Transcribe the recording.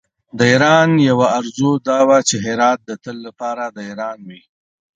د ایران یوه آرزو دا وه چې هرات د تل لپاره د ایران وي.